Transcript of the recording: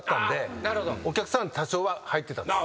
お客さん多少は入ってたんです。